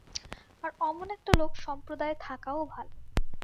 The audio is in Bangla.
আর অমন একটা লোক সম্প্রদায়ে থাকাও ভাল।